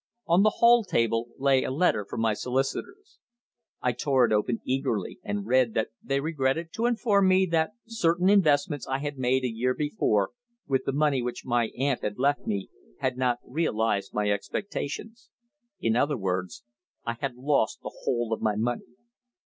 On the hall table lay a letter from my solicitors. I tore it open eagerly and read that they regretted to inform me that certain investments I had made a year before, with the money which my aunt had left me, had not realized my expectations. In other words, I had lost the whole of my money!